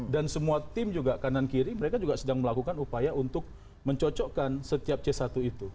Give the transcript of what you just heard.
dan semua tim juga kanan kiri mereka juga sedang melakukan upaya untuk mencocokkan setiap c satu itu